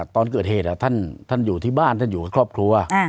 ตอนเกิดเหตุท่านอยู่ที่บ้านท่านอยู่กับครอบครัว